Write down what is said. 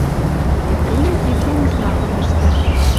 Евгений кид дон знакым ӹштӓ.